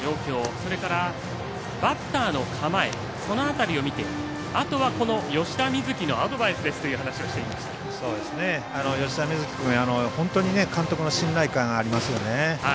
それからバッターの構えその辺りを見てあとは吉田瑞樹のアドバイスですという吉田瑞樹君は本当に監督の信頼感ありますよね。